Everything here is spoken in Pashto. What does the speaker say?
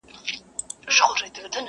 • هغه لږ خبري کوي تل..